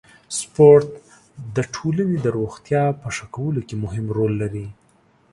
سپورت د ټولنې د روغتیا په ښه کولو کې مهم رول لري.